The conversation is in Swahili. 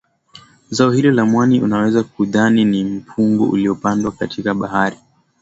Zao hilo la mwani unaweza kudhani ni mpunga uliopandwa katika bahari